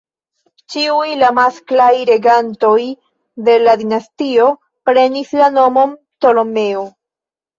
Ĉiuj la masklaj regantoj de la dinastio prenis la nomon Ptolemeo.